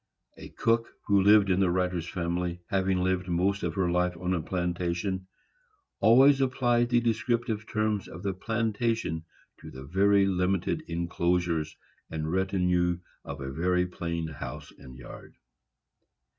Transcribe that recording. A cook who lived in the writer's family, having lived most of her life on a plantation, always applied the descriptive terms of the plantation to the very limited enclosures and retinue of a very plain house and yard.